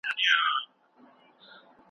دا وه زموږ د کلتور یوه وړه نښه.